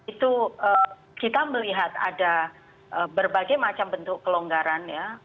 itu kita melihat ada berbagai macam bentuk kelonggaran ya